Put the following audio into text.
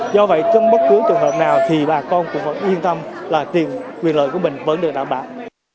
do vậy trong bất cứ trường hợp nào thì bà con cũng vẫn yên tâm là quyền lợi của mình vẫn được đảm bảo